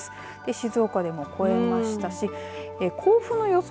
静岡でも超えましたし甲府の予想